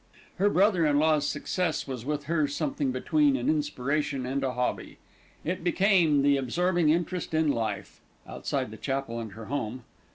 Her brother in law's success was with her something between an inspiration and a hobby. It became the absorbing interest in life, outside the chapel and her home.